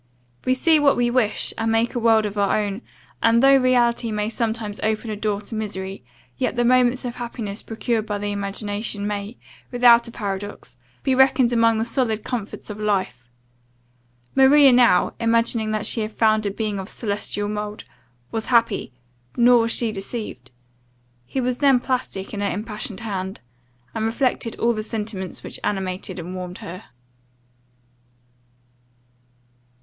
We see what we wish, and make a world of our own and, though reality may sometimes open a door to misery, yet the moments of happiness procured by the imagination, may, without a paradox, be reckoned among the solid comforts of life. Maria now, imagining that she had found a being of celestial mould was happy, nor was she deceived. He was then plastic in her impassioned hand and reflected all the sentiments which animated and warmed her.